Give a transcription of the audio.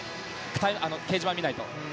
掲示板見ないと。